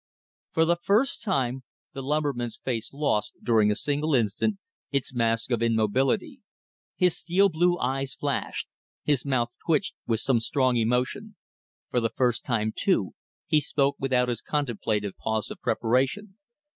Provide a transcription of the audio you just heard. For the first time the lumberman's face lost, during a single instant, its mask of immobility. His steel blue eyes flashed, his mouth twitched with some strong emotion. For the first time, too, he spoke without his contemplative pause of preparation.